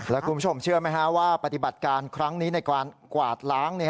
แล้วคุณผู้ชมเชื่อไหมฮะว่าปฏิบัติการครั้งนี้ในการกวาดล้าง